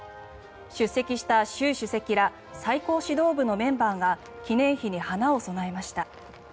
出席した習主席ら最高指導部のメンバーが記念碑に花を供えました。